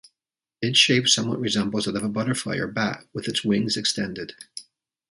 Its shape somewhat resembles that of a butterfly or bat with its wings extended.